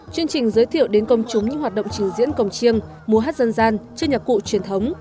chương trình giới thiệu đến công chúng những hoạt động trình diễn công chiêng mùa hát dân gian chơi nhạc cụ truyền thống